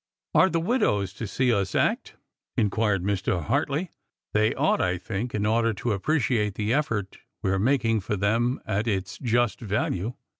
" Are the widows to see us act P " inquired Mr. Hartley. " They ought, I think, in order to aj^preciate the effort we are making for them at its just value.